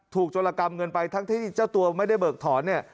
โจรกรรมเงินไปทั้งที่เจ้าตัวไม่ได้เบิกถอนเนี่ย